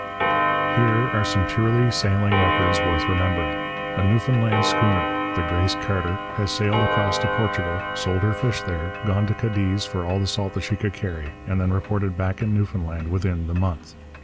Here are some purely sailing records worth remembering. A Newfoundland schooner, the Grace Carter, has sailed across to Portugal, sold her fish there, gone to Cadiz for all the salt that she could carry, and then reported back in Newfoundland within the month.